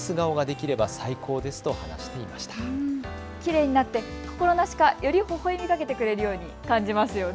きれいになって心なしかよりほほえみかけてくれているように感じますよね。